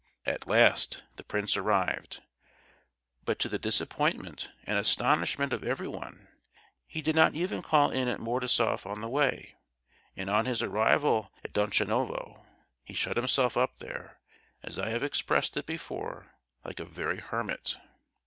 At last the prince arrived; but to the disappointment and astonishment of everyone, he did not even call in at Mordasoff on the way; and on his arrival at Donchanovo he shut himself up there, as I have expressed it before, like a very hermit.